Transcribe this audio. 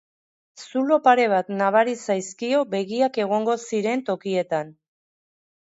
Zulo pare bat nabari zaizkio begiak egongo ziren tokietan.